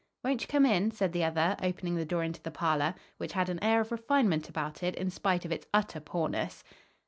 "Won't you come in?" said the other, opening the door into the parlor, which had an air of refinement about it in spite of its utter poorness.